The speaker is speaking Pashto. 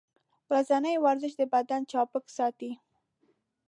ورځنی ورزش د بدن چابک ساتي.